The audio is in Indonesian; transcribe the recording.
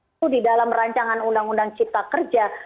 itu di dalam rancangan undang undang ciptakerja